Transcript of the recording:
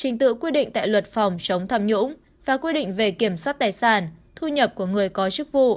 trình tự quy định tại luật phòng chống tham nhũng và quy định về kiểm soát tài sản thu nhập của người có chức vụ